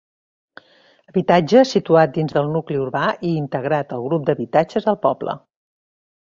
Habitatge situat dins del nucli urbà i integrat al grup d'habitatges del poble.